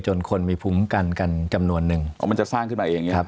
คนมีภูมิกันกันจำนวนนึงอ๋อมันจะสร้างขึ้นมาอย่างนี้ครับ